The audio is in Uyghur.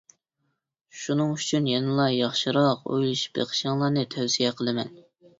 شۇنىڭ ئۈچۈن يەنىلا ياخشىراق ئويلىشىپ بېقىشىڭلارنى تەۋسىيە قىلىمەن.